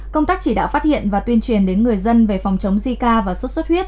công tác chỉ đạo phát hiện và tuyên truyền đến người dân về phòng chống zika và sốt xuất huyết